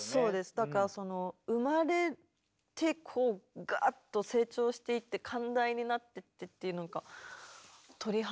だからその生まれてこうガーッと成長していって寛大になっていってっていうなんか鳥肌。